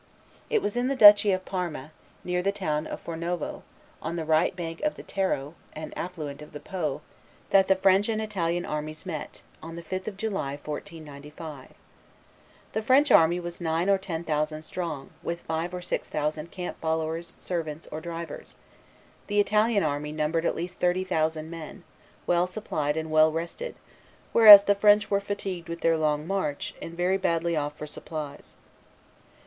It was in the duchy of Parma, near the town of Fornovo, on the right bank of the Taro, an affluent of the Po, that the French and Italian armies met, on the 5th of July, 1495. The French army was nine or ten thousand strong, with five or six thousand camp followers, servants or drivers; the Italian army numbered at least thirty thousand men, well supplied and well rested, whereas the French were fatigued with their long march, and very badly off for supplies.